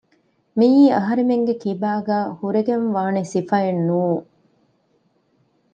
މިއީ އަހަރެމެންގެކިބާގައި ހުރެގެންވާނެ ސިފައެއްނޫން